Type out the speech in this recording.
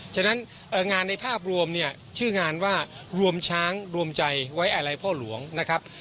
ฉะนั้นงานในภาพรวมเนี่ยชื่องานว่ารวมช้างรวมใจไว้อะไรพ่อหลวงนะครับ